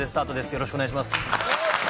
よろしくお願いします。